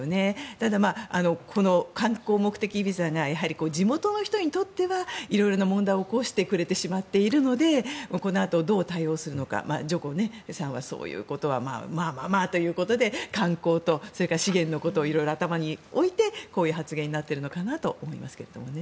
ただ、この観光目的ビザが地元の人にとっては色々な問題を起こしてくれてしまっているのでこのあとどう対応するのかジョコさんはそういうことはまあ、まあ、まあということで観光とそれから資源のことを頭に置いてこういう発言になっているのかなと思いますね。